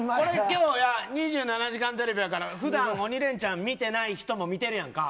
２７時間テレビやから普段鬼レンチャン見てない人も見てるやんか。